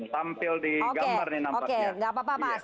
tampil di gambar nih nampaknya